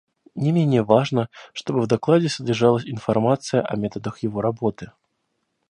Не менее важно, чтобы в докладе содержалась информация о методах его работы.